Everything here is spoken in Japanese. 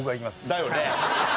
だよね。